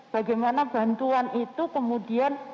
bagaimana bantuan itu kemudian